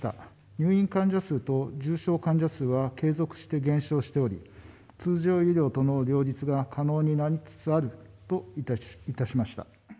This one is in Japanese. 入院患者数と重症患者数は継続して減少しており、通常医療との両立が可能になりつつあるといたしました。